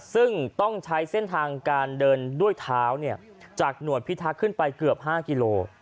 ซึ่งต้องใช้เส้นทางการเดินด้วยเท้าจากหนวดพิทักษ์ขึ้นไปเกือบ๕กิโล